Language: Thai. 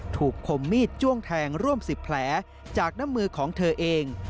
คมมีดจ้วงแทงร่วม๑๐แผลจากน้ำมือของเธอเอง